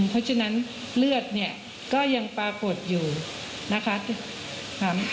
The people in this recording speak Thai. เพราะฉะนั้นเลือดเนี่ยก็ยังปรากฏอยู่นะคะ